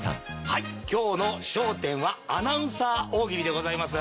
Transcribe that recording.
はい今日の『笑点』はアナウンサー大喜利でございます。